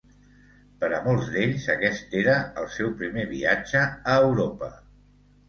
Per a molts d'ells aquest era el seu primer viatge a Europa.